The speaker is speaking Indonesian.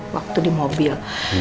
waktu di mobil